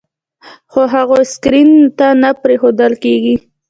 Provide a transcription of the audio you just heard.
خو هغوی سکرین ته نه پرېښودل کېږي.